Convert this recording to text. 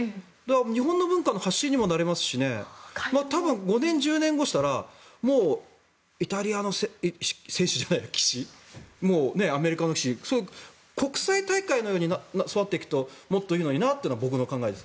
日本の文化の発信にもなりますし多分、５年、１０年後したらもうイタリアの棋士アメリカの棋士国際大会にように育っていくともっといいのになというのが僕の考えです。